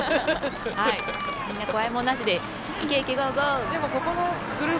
みんな怖いもんなしで、イケイケゴーゴー！